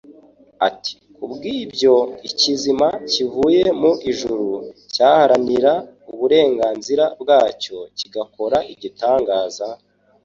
Ati: kubw'ibyo, ikizima kivuye mu ijuru cyaharanira uburenganzira bwacyo kigakora igitangaza,